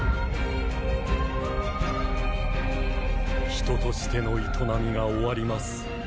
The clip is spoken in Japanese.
人としての営みが終わります。